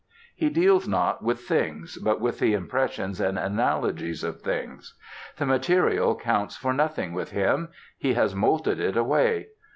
He deals not with things, but with the impressions and analogies of things. The material counts for nothing with him: he has moulted it away.